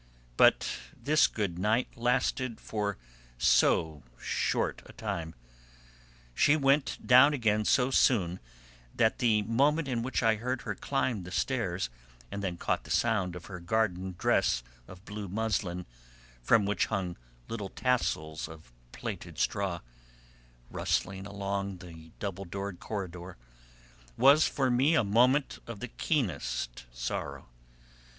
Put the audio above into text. But this good night lasted for so short a time: she went down again so soon that the moment in which I heard her climb the stairs, and then caught the sound of her garden dress of blue muslin, from which hung little tassels of plaited straw, rustling along the double doored corridor, was for me a moment of the keenest sorrow.